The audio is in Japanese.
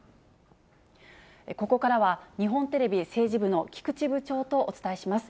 ここからは、日本テレビ政治部の菊池部長とお伝えします。